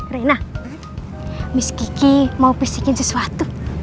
rena miss kiki mau pisikin sesuatu